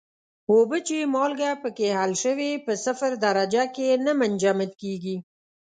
اوبه چې مالګه پکې حل شوې په صفر درجه کې نه منجمد کیږي.